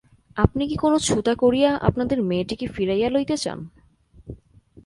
আপনি কি কোনো ছুতা করিয়া আপনাদের মেয়েটিকে ফিরাইয়া লইতে চান?